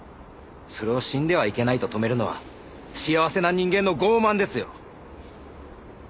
それを死んではいけないと止めるのは幸せな人間の傲慢ですよ。